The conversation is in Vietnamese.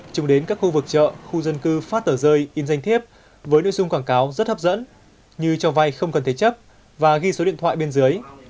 chúng đến các khu vực chợ khu dân cư phát tờ rơi in danh thiếp với nội dung quảng cáo rất hấp dẫn như cho vay không cần thế chấp và ghi số điện thoại bên dưới